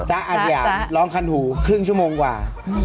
อาจจะอยากร้องคันหูครึ่งชั่วโมงกว่า